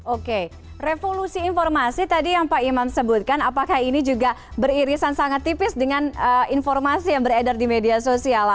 oke revolusi informasi tadi yang pak imam sebutkan apakah ini juga beririsan sangat tipis dengan informasi yang beredar di media sosial